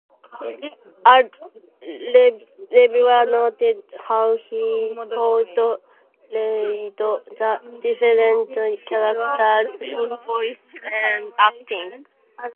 A reviewer noted how he portrayed the different characters in voice and acting.